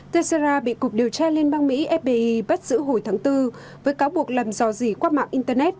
techerra bị cục điều tra liên bang mỹ fbi bắt giữ hồi tháng bốn với cáo buộc làm dò dỉ qua mạng internet